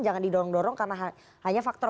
jangan didorong dorong karena hanya faktor